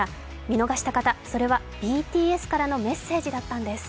見逃した方、それはＢＴＳからのメッセージだったんです。